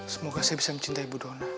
semoga saya bisa mencintai ibu dona